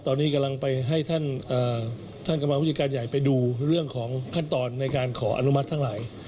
ตอนนี้กำลังไปให้ท่านกรรมผู้จัดการใหญ่ไปดูเรื่องของขั้นตอนในการขออนุมัติทั้งหลาย